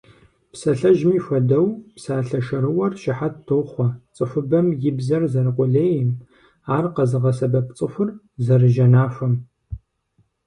Псалъэжьми хуэдэу, псалъэ шэрыуэр щыхьэт тохъуэ цӀыхубэм и бзэр зэрыкъулейм, ар къэзыгъэсэбэп цӀыхур зэрыжьэнахуэм.